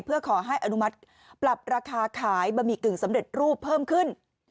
เพื่อขอให้อนุมัติปรับราคาขายบะหมี่กึ่งสำเร็จรูปเพิ่มขึ้น